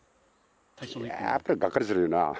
やっぱりがっかりするよな。